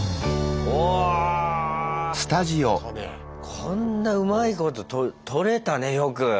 こんなうまいこと撮れたねよく。